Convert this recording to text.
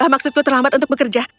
maksudku terlambat untuk bekerja